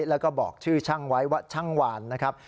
แล้วก็บอกชื่อช่างไว้ว่าช่างวานนะครับ